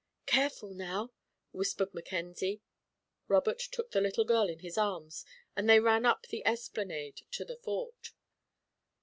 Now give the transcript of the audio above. "Careful, now," whispered Mackenzie. Robert took the little girl in his arms and they ran up the esplanade to the Fort.